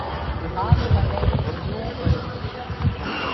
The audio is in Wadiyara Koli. آز منين ڀوڳوون پڙيُون